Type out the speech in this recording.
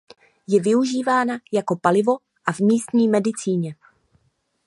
Je využívána jako palivo a v místní medicíně.